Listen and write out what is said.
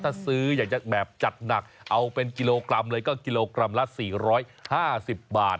ถ้าซื้ออยากจะแบบจัดหนักเอาเป็นกิโลกรัมเลยก็กิโลกรัมละ๔๕๐บาท